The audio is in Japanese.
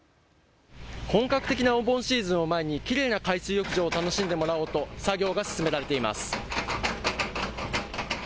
本格的なお盆シーズンを前にきれいな海水浴場を楽しんでもらおうと作業が進められています。